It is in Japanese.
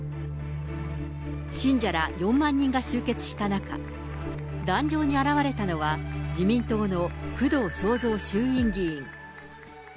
信者ら４万人が集結した中、壇上に現れたのは、自民党の工藤彰三衆院議員。